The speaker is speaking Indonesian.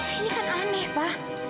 ini kan aneh pa